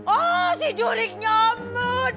oh si jurik nyomut